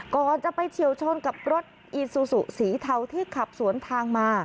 ก่อนจะไปเฉียวชนกับรถอีซูซูสีเทาที่ขับสวนทางมา